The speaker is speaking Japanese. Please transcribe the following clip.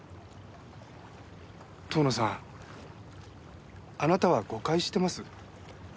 遠野さんあなたは誤解してます。